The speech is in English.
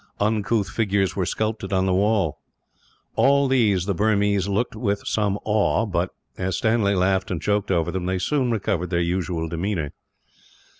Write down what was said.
Uncouth figures were sculptured on the walls. At these the Burmese looked with some awe but, as Stanley laughed and joked over them, they soon recovered their usual demeanour.